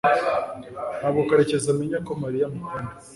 ntabwo karekezi amenya ko mariya amukunda